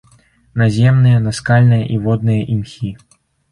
Наземныя, наскальныя і водныя імхі.